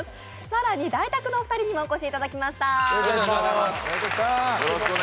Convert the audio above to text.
更にダイタクのお二人にもお越しいただきました。